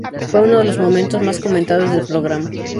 Fue uno de los momentos más comentados del programa.